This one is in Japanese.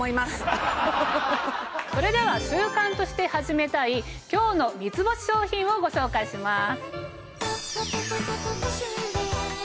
それでは習慣として始めたい今日の三ツ星商品をご紹介します。